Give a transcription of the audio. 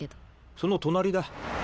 その隣だ。